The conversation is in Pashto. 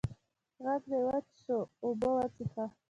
ږغ دي وچ سو، اوبه وڅيښه!